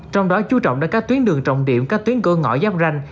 trong đó chú trọng là các tuyến đường trọng điểm các tuyến cửa ngõ giáp ranh